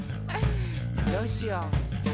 どうしよう？